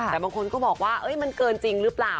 แต่บางคนก็บอกว่ามันเกินจริงหรือเปล่า